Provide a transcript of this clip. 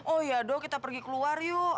oh iya kita pergi keluar yuk